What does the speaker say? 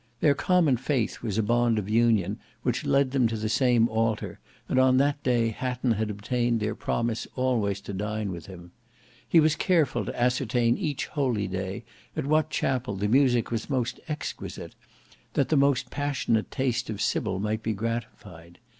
Their common faith was a bond of union which led them to the same altar, and on that day Hatton had obtained their promise always to dine with him. He was careful to ascertain each holy day at what chapel the music was most exquisite, that the most passionate taste of Sybil might be gratified.